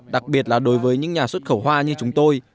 đặc biệt là đối với những nhà xuất khẩu hoa như chúng tôi